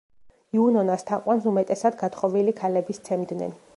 იუნონას თაყვანს უმეტესად გათხოვილი ქალები სცემდნენ.